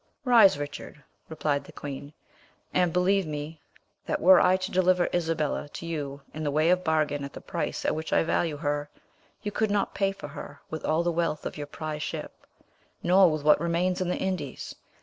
"Rise, Richard," replied the queen, "and believe me that were I to deliver Isabella to you in the way of bargain at the price at which I value her, you could not pay for her with all the wealth of your prize ship, nor with what remains in the Indies.